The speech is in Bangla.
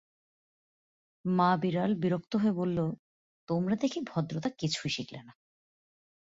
মা-বিড়াল বিরক্ত হয়ে বলল, তোমরা দেখি ভদ্রতা কিছুই শিখলে না!